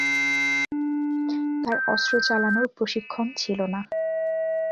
তার অস্ত্র চালানোর প্রশিক্ষণ ছিল না।